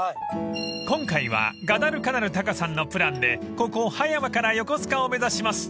［今回はガダルカナル・タカさんのプランでここ葉山から横須賀を目指します］